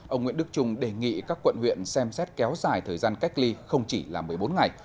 ông nguyễn đức trung đề nghị các quận huyện xem xét kéo dài thời gian cách ly không chỉ là một mươi bốn ngày